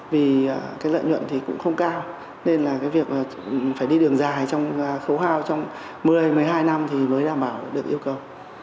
vì cái lợi nhuận thì cũng không cao nên là cái việc phải đi đường dài trong khấu hao trong một mươi một mươi hai năm thì mới đảm bảo được yêu cầu